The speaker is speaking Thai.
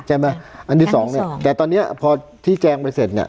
อันที่สองเนี่ยแต่ตอนเนี้ยพอที่แจงไปเสร็จเนี่ย